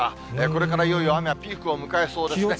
これからいよいよ雨がピークを迎えそうですね。